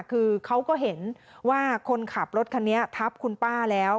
คือเขาก็เห็นว่าคนขับรถคันนี้ทับคุณป้าแล้ว